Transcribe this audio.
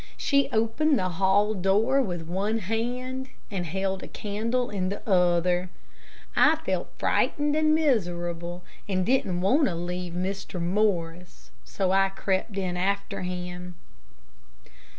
She opened the hall door with one hand and held a candle in the other. I felt frightened and miserable, and didn't want to leave Mr. Morris, so I crept in after him.